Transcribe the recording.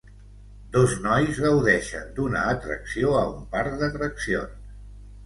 Dos nois gaudeixen d'una atracció a un parc d'atraccions.